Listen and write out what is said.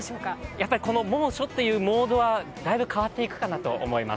やっぱりこの猛暑というモードはだいぶ変わっていくかなと思います。